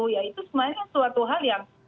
ya itu sebenarnya kan suatu hal yang